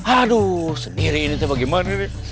aduh sendiri ini bagaimana